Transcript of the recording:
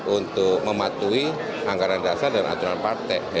untuk mematuhi anggaran dasar dan aturan partai